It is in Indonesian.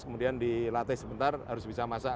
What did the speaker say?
kemudian dilatih sebentar harus bisa masak